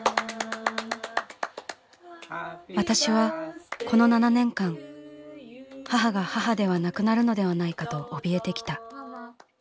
「私はこの７年間母が母ではなくなるのではないかとおびえてきた。